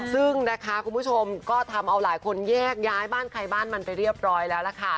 ซึ่งนะคะคุณผู้ชมก็ทำเอาหลายคนแยกย้ายบ้านใครบ้านมันไปเรียบร้อยแล้วล่ะค่ะ